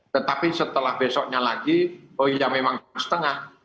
tetapi setelah besoknya lagi oh iya memang jam setengah